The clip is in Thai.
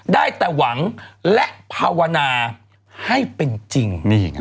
ได้แต่หวังและภาวนาให้เป็นจริง